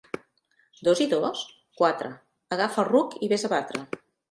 Dos i dos? —Quatre. —Agafa el ruc i vés a batre.